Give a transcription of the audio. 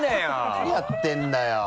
何やってんだよ！